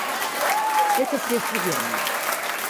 Это средство верное.